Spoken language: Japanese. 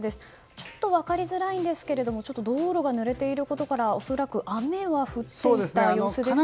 ちょっと分かりづらいんですが道路がぬれていることから恐らく雨は降っていた様子ですね。